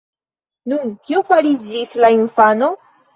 Nun, kio fariĝis la infano?